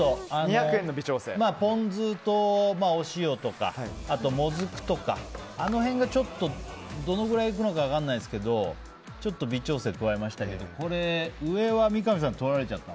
ポン酢とお塩とかあとモズクとかあの辺がどのくらいいくのか分かんないですけどちょっと微調整加えましたけど上は三上さんにとられちゃった。